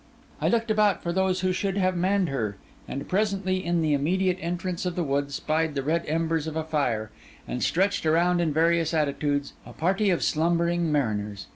I looked about for those who should have manned her; and presently, in the immediate entrance of the wood, spied the red embers of a fire, and, stretched around in various attitudes, a party of slumbering mariners.